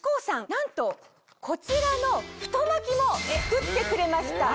なんとこちらの太巻きも作ってくれました。